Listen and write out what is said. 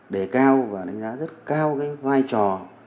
đề cao và đánh giá rất cao cái vai trò